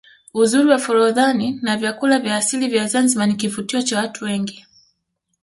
uzuri wa forodhani na vyakula vya asili vya Zanzibar ni kivutio cha watu wengi